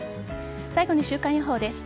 最後に週間予報です。